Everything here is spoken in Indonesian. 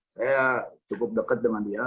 saya cukup dekat dengan dia